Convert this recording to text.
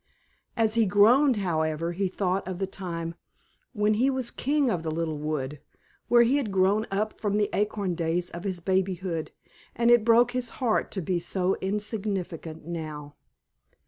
As he groaned, however, he thought of the time when he was king of the little wood, where he had grown up from the acorn days of his babyhood, and it broke his heart to be so insignificant now.